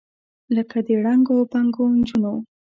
لکه د ړنګو بنګو نجونو،